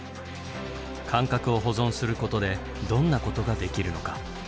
感覚を保存することでどんなことができるのか。